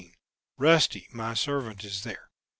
Rusty, my servant, is there.